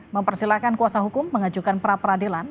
mempersilahkan kuasa hukum mengajukan pra peradilan